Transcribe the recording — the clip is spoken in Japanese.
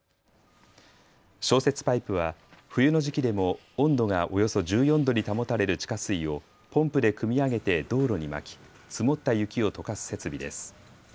消雪パイプは冬の時期でも温度がおよそ１４度に保たれる地下水をポンプでくみ上げて道路にまき積もった雪をとかす設備です。